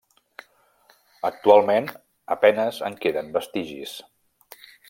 Actualment a penes en queden vestigis.